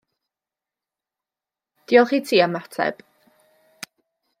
Diolch i ti am ateb.